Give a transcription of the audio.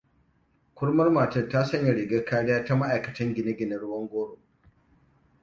Kurmar matar ta sanya rigar kariya ta ma'aikatan gine-gine ruwan goro.